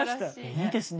いいですね。